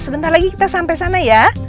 sebentar lagi kita sampai sana ya